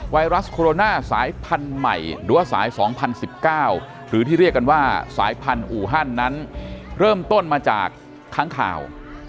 ไวรัสโคโรนาสายพันธุ์ใหม่หรือว่าสาย๒๐๑๙หรือที่เรียกกันว่าสายพันธุ์อูฮันนั้นเริ่มต้นมาจากค้างข่าว